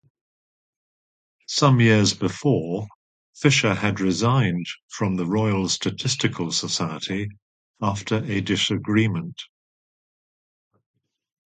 Some years before Fisher had resigned from the Royal Statistical Society after a disagreement.